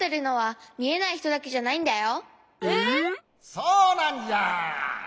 そうなんじゃ！